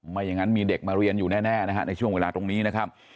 ไม่อย่างนั้นมีเด็กมาเรียนอยู่แน่นะฮะในช่วงเวลาตรงนี้นะครับ